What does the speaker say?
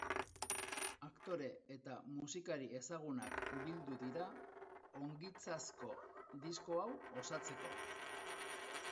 Aktore eta musikari ezagunak bildu dira ongintzazko disko hau osatzeko.